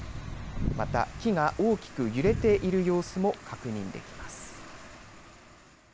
また木が大きく揺れている様子も確認できます。